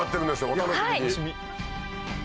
お楽しみに！